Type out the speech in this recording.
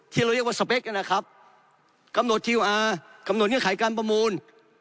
ที่เราเรียกว่าสเปคนะครับกำหนดคิวอาร์กำหนดเงื่อนไขการประมูล